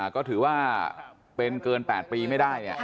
ก็ถือว่าเป็นเกิน๘ปีไม่ได้